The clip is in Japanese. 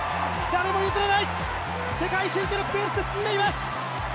誰も譲れない、世界新記録ペースで進んでいます。